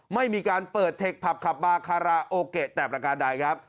ไม่มีการเปิดเทคผับขับบาคาราโอเกะแต่ประการใดครับ